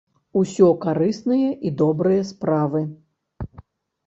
Усё карысныя і добрыя справы.